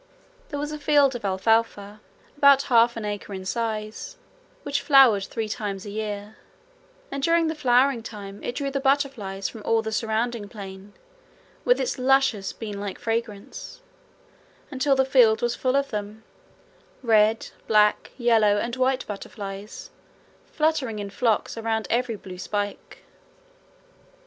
There was a field of alfalfa about half an acre in size, which flowered three times a year, and during the flowering time it drew the butterflies from all the surrounding plain with its luscious bean like fragrance, until the field was full of them, red, black, yellow, and white butterflies, fluttering in flocks round every blue spike.